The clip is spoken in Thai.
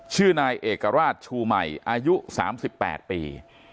ชื่อนายเอกราชชูใหม่อายุ๓๘ปี